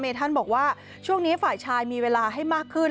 ท่านบอกว่าช่วงนี้ฝ่ายชายมีเวลาให้มากขึ้น